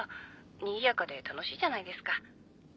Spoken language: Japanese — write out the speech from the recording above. にぎやかで楽しいじゃないですか。